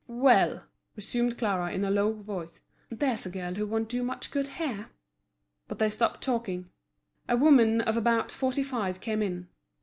"Well," resumed Clara, in a low voice, "there's a girl who won't do much good here!" But they stopped talking. A woman of about forty five came in.